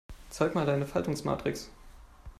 Zeig mal deine Faltungsmatrix.